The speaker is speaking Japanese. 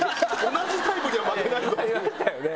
同じタイプには負けないぞっていう。